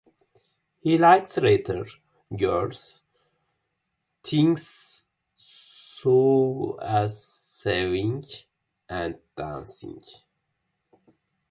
He likes rather girlish things such as sewing and dancing.